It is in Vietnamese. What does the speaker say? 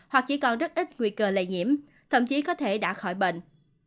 hoặc chỉ còn rất ít nguy cơ lây nhiễm thậm chí có thể đã khỏi bệnh